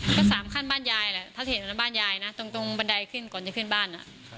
ก็สามขั้นบ้านยายแหละถ้าเห็นบ้านยายนะตรงบันไดขึ้นก่อนจะขึ้นบ้าน